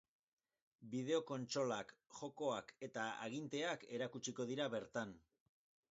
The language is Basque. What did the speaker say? Bideo-kontsolak, jokoak eta aginteak erakutsiko dira bertan.